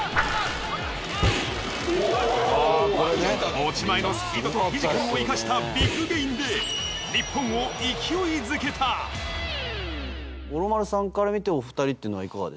持ち前のスピードとフィジカルを生かしたビッグゲインで日本を勢いづけた五郎丸さんから見てお２人ってのはいかがですか？